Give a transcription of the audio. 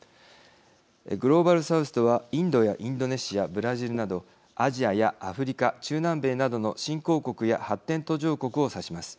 グローバル・サウスとはインドやインドネシアブラジルなどアジアやアフリカ中南米などの新興国や発展途上国を指します。